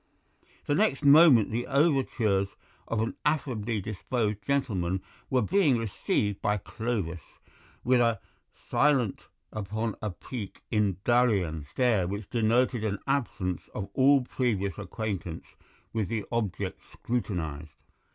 The next moment the overtures of an affably disposed gentleman were being received by Clovis with a "silent upon a peak in Darien" stare which denoted an absence of all previous acquaintance with the object scrutinized.